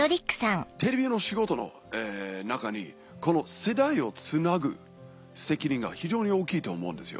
テレビの仕事の中に世代をつなぐ責任が非常に大きいと思うんですよ。